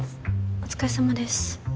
お疲れさまです